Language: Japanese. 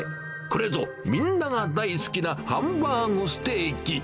これぞ、みんなが大好きなハンバーグステーキ。